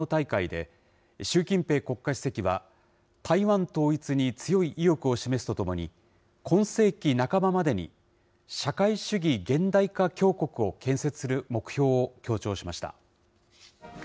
中国できのうから始まった共産党大会で、習近平国家主席は、台湾統一に強い意欲を示すとともに、今世紀半ばまでに、社会主義現代化強国を建設する目標を強調しました。